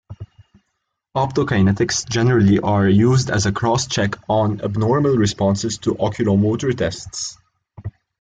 Optokinetics generally are used as a cross-check on abnormal responses to oculomotor tests.